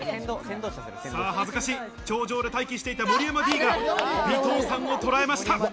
さぁ恥ずかしい頂上で待機していた森山Ｄが、尾藤さんをとらえました。